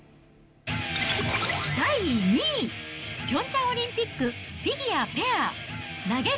第２位、ピョンチャンオリンピックフィギュアペア、投げる！